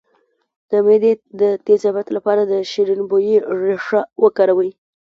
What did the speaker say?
د معدې د تیزابیت لپاره د شیرین بویې ریښه وکاروئ